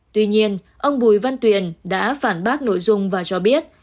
tuy nhiên ông bùi văn tuyền đã phản bác nội dung và cho biết